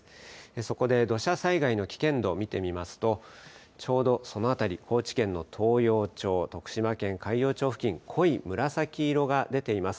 そこで土砂災害の危険度を見てみますとちょうどその辺り、高知県の東洋町、徳島県海陽町付近、濃い紫色が出ています。